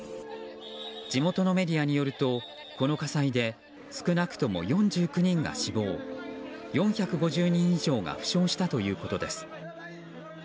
地元のメディアによるとこの火災で少なくとも４９人が死亡４５０人以上が負傷したということです。